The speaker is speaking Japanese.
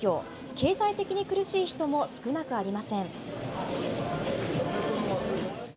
経済的に苦しい人も少なくありません。